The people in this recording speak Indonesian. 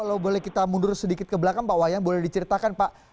kalau boleh kita mundur sedikit ke belakang pak wayan boleh diceritakan pak